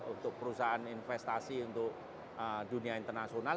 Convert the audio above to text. untuk perusahaan investasi untuk dunia internasional